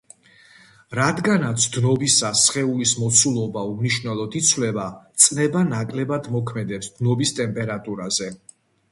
რადგანაც დნობისას სხეულის მოცულობა უმნიშვნელოდ იცვლება, წნევა ნაკლებად მოქმედებს დნობის ტემპერატურაზე.